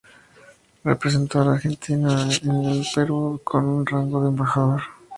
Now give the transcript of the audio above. Representó a la Argentina en el Perú con el rango de embajador.